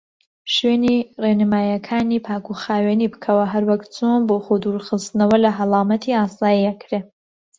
شوێنی ڕێنمایەکانی پاکوخاوینی بکەوە هەروەک چۆن بۆ خۆ دورخستنەوە لە هەڵامەتی ئاسای ئەکرێ.